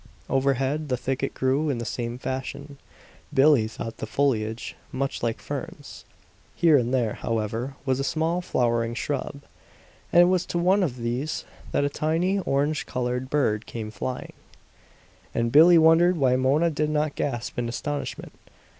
Overhead the thicket grew in the same fashion; Billie thought the foliage much like ferns. Here and there, however, was a small flowering shrub; and it was to one of these that a tiny, orange colored bird came flying. And Billie wondered why Mona did not gasp in astonishment.